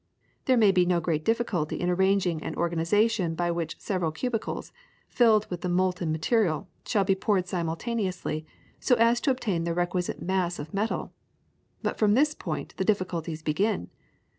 There may be no great difficulty in arranging an organization by which several crucibles, filled with the molten material, shall be poured simultaneously so as to obtain the requisite mass of metal, but from this point the difficulties begin.